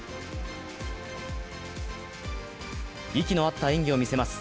息の合った演技を見せます。